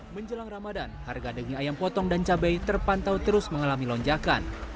menjelang ramadan harga daging ayam potong dan cabai terpantau terus mengalami lonjakan